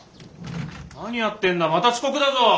何やってんだまた遅刻だぞ！